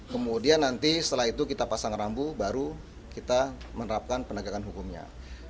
kemudian nanti setelah itu kita pasang rambu baru kita menerapkan penegakan hukumnya